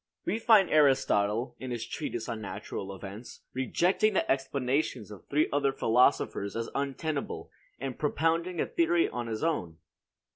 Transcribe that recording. We find Aristotle, in his treatise on natural events, rejecting the explanations of three other philosophers as untenable, and propounding a theory of his own.